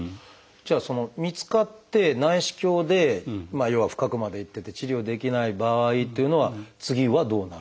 じゃあ見つかって内視鏡で要は深くまでいってて治療できない場合というのは次はどうなるってことになりますか？